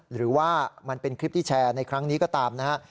หรือว่ามันเป็นคลิปที่แชร์ในครั้งนี้ก็ตามนะฮะ